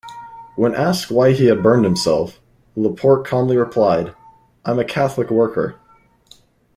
When asked why he had burned himself, LaPorte calmly replied, I'm a Catholic Worker.